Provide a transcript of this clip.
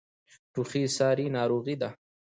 ټوخی ساری ناروغۍ ده.